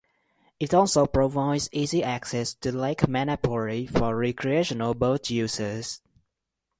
It also provides easy access to Lake Manapouri for recreational boat users.